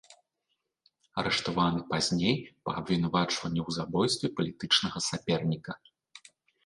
Арыштаваны пазней па абвінавачванні ў забойстве палітычнага саперніка.